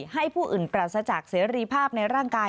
ให้ผู้อื่นปราศจากเสรีภาพในร่างกาย